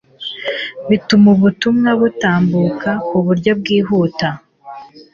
bituma ubutumwa butambuka ku buryo bwihuta